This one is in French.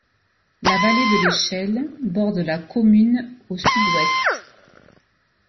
La vallée de l'Échelle borde la commune au sud-ouest.